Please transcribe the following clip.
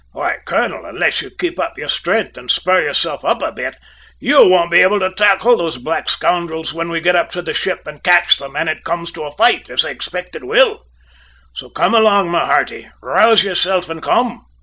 Why, colonel, unless you keep up your strength and spur yourself up a bit, you won't be able to tackle those black scoundrels when we get up to the ship and catch them, and it comes to a fight, as I expect it will. So come along, my hearty; rouse yourself and come!"